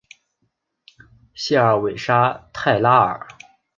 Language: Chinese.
谢尔韦沙泰拉尔。